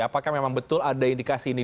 apakah memang betul ada indikasi ini